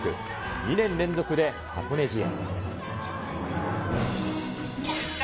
２年連続で箱根路へ。